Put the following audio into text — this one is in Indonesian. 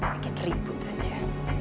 bikin ribut aja